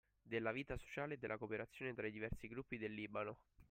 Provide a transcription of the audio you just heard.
Della vita sociale e della cooperazione tra i diversi gruppi del Libano.